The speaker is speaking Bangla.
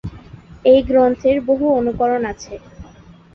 এই গ্রন্থের বহু অনুকরণ আছে।